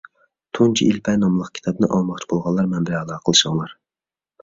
«تۇنجى ئېلىپبە» ناملىق كىتابنى ئالماقچى بولغانلار مەن بىلەن ئالاقىلىشىڭلار.